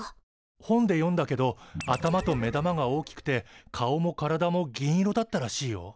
本で読んだけど頭と目玉が大きくて顔も体も銀色だったらしいよ。